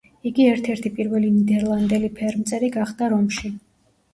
იგი ერთ-ერთი პირველი ნიდერლანდელი ფერმწერი გახდა რომში.